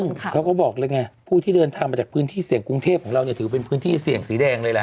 ซึ่งเขาก็บอกเลยไงผู้ที่เดินทางมาจากพื้นที่เสี่ยงกรุงเทพของเราเนี่ยถือเป็นพื้นที่เสี่ยงสีแดงเลยล่ะ